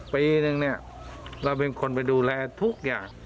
ปีนึงเนี่ยเราเป็นคนไปดูแลทุกอย่าง